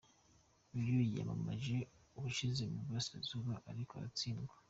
Uyu yiyamamaje ubushize mu Burasirazuba ariko aratsindwa.